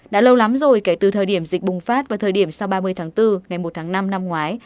đã lâu lắm rồi kể từ thời điểm dịch bùng phát vào thời điểm sau ba mươi tháng bốn ngày một tháng năm năm ngoái